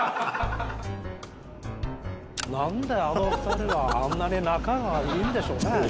何であの２人はあんなに仲がいいんでしょうね